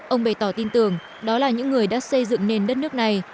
ông bày tỏ tin tưởng đó là những người đã xây dựng nền đất nước này